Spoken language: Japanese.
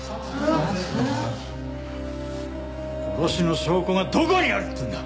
殺しの証拠がどこにあるっていうんだ！